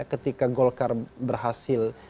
ketika golkar berhasil